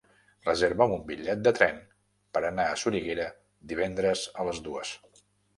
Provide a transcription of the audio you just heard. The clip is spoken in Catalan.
Reserva'm un bitllet de tren per anar a Soriguera divendres a les dues.